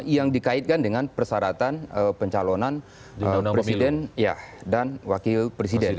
yang dikaitkan dengan persyaratan pencalonan presiden dan wakil presiden